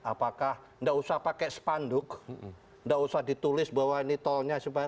apakah enggak usah pakai spanduk tidak usah ditulis bahwa ini tolnya